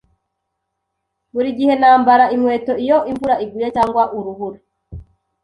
Buri gihe nambara inkweto iyo imvura iguye cyangwa urubura.